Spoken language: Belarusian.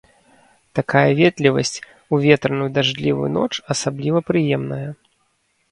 Такая ветлівасць у ветраную дажджлівую ноч асабліва прыемная.